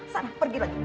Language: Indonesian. sana pergi lagi